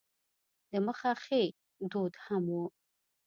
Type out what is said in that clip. د مخه ښې دود هم و.